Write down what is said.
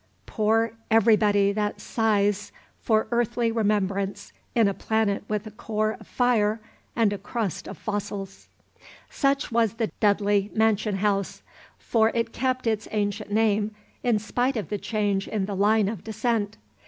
Poor everybody that sighs for earthly remembrance in a planet with a core of fire and a crust of fossils! Such was the Dudley mansion house, for it kept its ancient name in spite of the change in the line of descent.